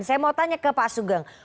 saya mau tanya ke pak sugeng